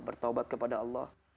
bertobat kepada allah